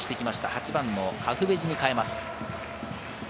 ８番のカフベジに代えます。